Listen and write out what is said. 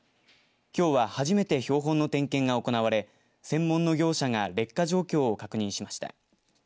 きょうは初めて標本の点検が行われ専門の業者が劣化状況を確認しました。